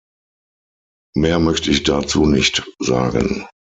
Mehr möchte ich dazu nicht sagen.